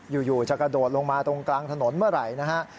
อยู่จะกระโดดลงมาตรงกลางถนนเมื่อไหร่นะฮะ